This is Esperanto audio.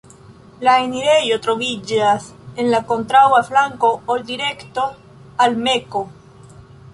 La enirejo troviĝas en la kontraŭa flanko ol direkto al Mekko.